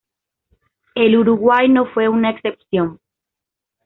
El Uruguay no fue una excepción.